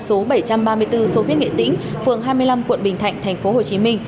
số bảy trăm ba mươi bốn sô viết nghệ tĩnh phường hai mươi năm quận bình thạnh tp hcm